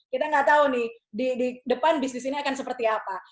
kita nggak tahu nih di depan bisnis ini akan seperti apa